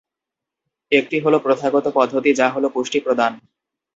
একটি হলো প্রথাগত পদ্ধতি যা হলো পুষ্টি প্রদান।